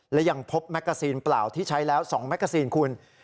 และยังพบแมกกาซีนเปล่าที่ใช้แล้ว๒แมกกาซีนคุณ